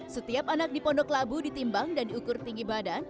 setiap anak di pondok labu ditimbang dan diukur tinggi badan